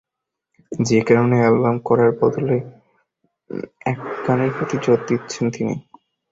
যে কারণে অ্যালবাম করার বদলে একক গানের প্রতি জোর দিচ্ছেন তিনি।